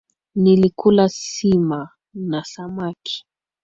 Nilikula sima na samaki